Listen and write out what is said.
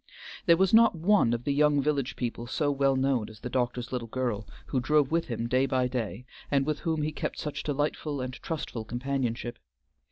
There was not one of the young village people so well known as the doctor's little girl, who drove with him day by day, and with whom he kept such delightful and trustful companionship.